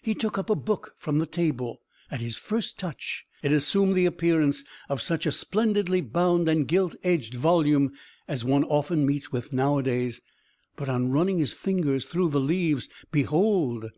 He took up a book from the table. At his first touch, it assumed the appearance of such a splendidly bound and gilt edged volume as one often meets with, nowadays; but, on running his fingers through the leaves, behold!